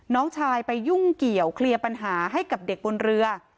น้องชายไปยุ่งเกี่ยวเคลียร์ปัญหาให้กับเด็กบนเรือ